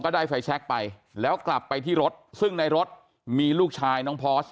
ได้ไฟแชคไปแล้วกลับไปที่รถซึ่งในรถมีลูกชายน้องพอส